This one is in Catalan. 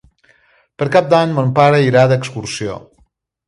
Per Cap d'Any mon pare irà d'excursió.